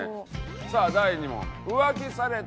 さあ第２問。